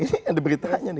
ini ada diberitanya nih